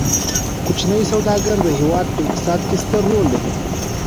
کوچني سوداګر د هیواد په اقتصاد کې ستر رول لري.